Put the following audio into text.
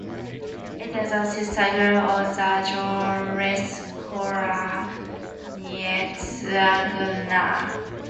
It is a sister group of the jawless craniates Agnatha.